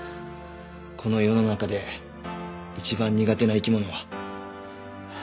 この世の中で一番苦手な生き物は？